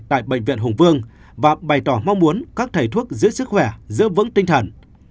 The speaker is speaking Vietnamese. tại bệnh viện hùng vương và bày tỏ mong muốn các thầy thuốc giữ sức khỏe giữ vững tinh thần